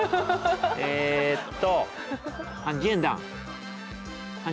えっと。